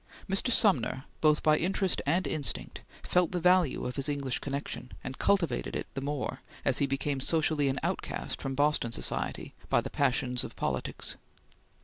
Mr. Sumner, both by interest and instinct, felt the value of his English connection, and cultivated it the more as he became socially an outcast from Boston society by the passions of politics.